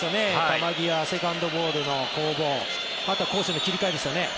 球際、セカンドボールの攻防また、攻守の切り替えですね。